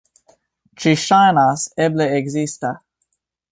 Ĝi ŝajnas eble ekzista.